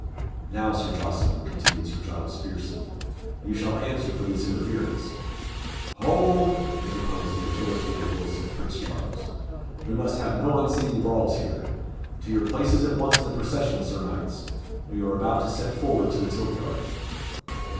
"Now, Sir Jocelyn," continued Sir Giles, fiercely; "you shall answer for this interference" "Hold!" interposed the authoritative voice of Prince Charles; "we must have no unseemly brawls here. To your places at once in the procession, Sir Knights. We are about to set forward to the tilt yard."